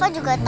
aku mau lihat